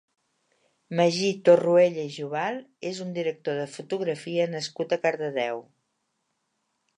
Magí Torruella i Jubal és un director de fotografia nascut a Cardedeu.